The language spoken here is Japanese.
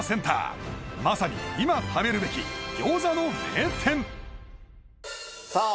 まさに今食べるべき餃子の名店さあ